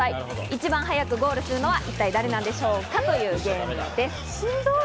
一番早くゴールするのは誰なんでしょうかというゲームです。